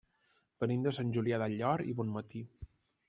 Venim de Sant Julià del Llor i Bonmatí.